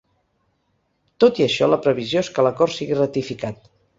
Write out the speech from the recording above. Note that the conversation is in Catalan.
Tot i això, la previsió és que l’acord sigui ratificat.